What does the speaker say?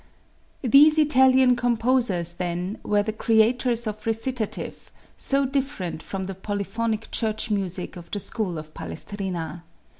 These Italian composers, then, were the creators of recitative, so different from the polyphonic church music of the school of Palestrina.